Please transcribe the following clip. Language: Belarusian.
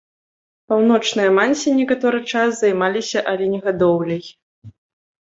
Паўночныя мансі некаторы час займаліся аленегадоўляй.